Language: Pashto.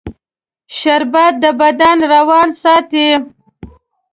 شربت د بدن روان ساتي